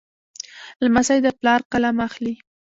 لمسی د پلار قلم اخلي.